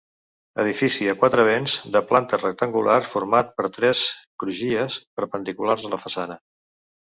Edifici a quatre vents de planta rectangular format per tres crugies perpendiculars a la façana.